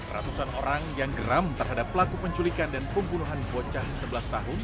ratusan orang yang geram terhadap pelaku penculikan dan pembunuhan bocah sebelas tahun